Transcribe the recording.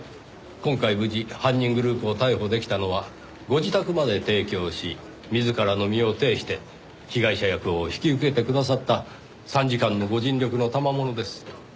今回無事犯人グループを逮捕できたのはご自宅まで提供し自らの身を挺して被害者役を引き受けてくださった参事官のご尽力のたまものです。